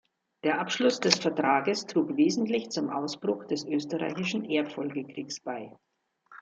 Der Abschluss des Vertrages trug wesentlich zum Ausbruch des Österreichischen Erbfolgekrieges bei.